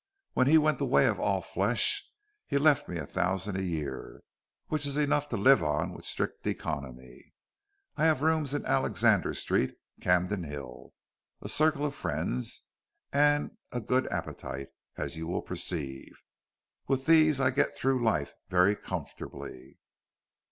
"When he went the way of all flesh he left me a thousand a year, which is enough to live on with strict economy. I have rooms in Alexander Street, Camden Hill, a circle of friends, and a good appetite, as you will perceive. With these I get through life very comfortably."